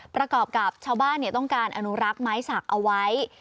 ประกอบกับชาวบ้านต้องการอนุรักษ์ไม้สักเอาไว้